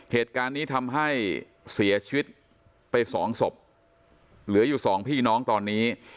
เหตุการณ์นี้ทำให้เสียชีวิตไปสองศพเหลืออยู่สองพี่น้องตอนนี้